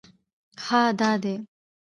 _هه! دا دی!